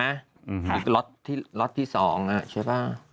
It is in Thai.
อื้อฮือหรือล็อตที่๒ใช่ไหม